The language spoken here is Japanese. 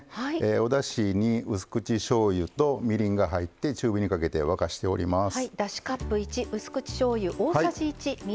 おだしに、うす口しょうゆとみりんが入って中火にかけて、沸かしております。